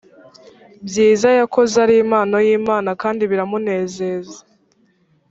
byiza yakoze ari impano y imana kandi biramunezeza